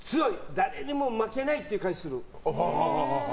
誰にも負けないっていう感じする。